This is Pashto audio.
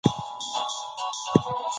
ادبي موضوعات باید په روښانه ذهن سره وڅېړل شي.